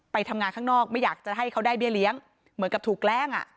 ไปทำงานข้างนอกไม่อยากจะให้เขาได้เบี้ยเลี้ยงเหมือนกับถูกแกล้งอ่ะ